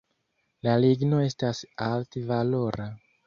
La ligno estas alt-valora.